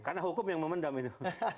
karena hukum yang memendam itu